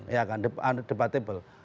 ya kan debatable